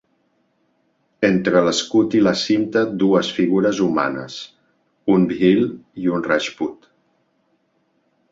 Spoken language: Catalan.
Entre l'escut i la cinta dues figures humanes, un bhil i un rajput.